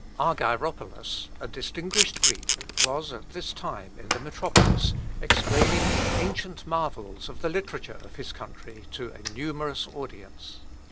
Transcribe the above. Argyropolos, a distinguished Greek, was at this time in the metropolis explaining the ancient marvels of the literature of his country to a numerous audience.